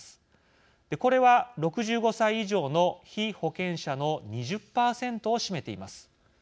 これは６５歳以上の被保険者の２０％を占めています。